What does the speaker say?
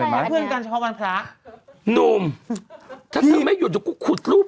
พี่มดเล่นเป็นอะไรอันนี้นุ่มถ้าเธอไม่หยุดกูขุดรูป